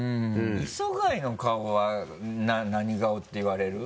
磯貝の顔は何顔って言われる？